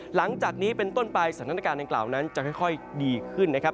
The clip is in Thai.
หลังจากนี้เป็นต้นไปสถานการณ์ดังกล่าวนั้นจะค่อยดีขึ้นนะครับ